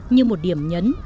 như một điểm nhấn